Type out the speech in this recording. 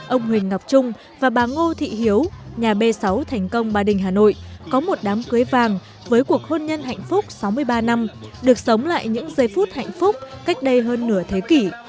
ông huỳnh ngọc trung và bà ngô thị hiếu nhà b sáu thành công ba đình hà nội có một đám cưới vàng với cuộc hôn nhân hạnh phúc sáu mươi ba năm được sống lại những giây phút hạnh phúc cách đây hơn nửa thế kỷ